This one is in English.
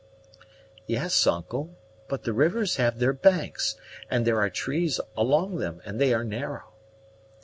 "Yes, uncle, but the rivers have their banks, and there are trees along them, and they are narrow."